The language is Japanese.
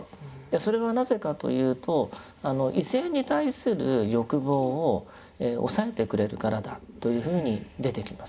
それはなぜかというと異性に対する欲望を抑えてくれるからだというふうに出てきます。